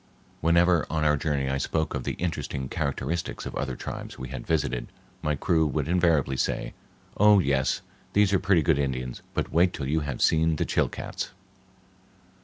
Whenever on our journey I spoke of the interesting characteristics of other tribes we had visited, my crew would invariably say, "Oh, yes, these are pretty good Indians, but wait till you have seen the Chilcats."